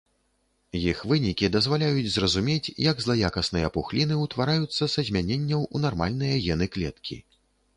Іх вынікі дазваляюць зразумець, як злаякасныя пухліны ўтвараюцца са змяненняў у нармальныя гены клеткі.